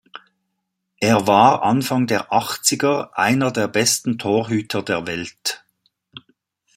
Er war Anfang der Achtziger einer der besten Torhüter der Welt.